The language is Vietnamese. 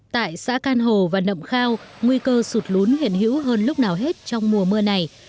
tại xã can hồ và nậm khao nguy cơ sụt lún hiện hữu hơn lúc nào hết trong mùa mưa này